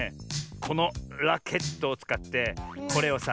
このラケットをつかってこれをさ